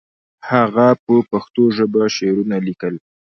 هغه په پښتو ژبه شعرونه لیکل.